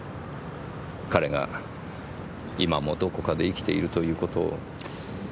彼が今もどこかで生きているという事を。